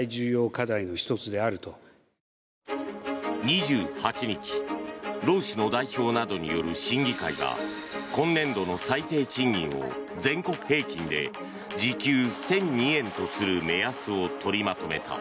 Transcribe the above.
２８日労使の代表などによる審議会が今年度の最低賃金を全国平均で時給１００２円とする目安を取りまとめた。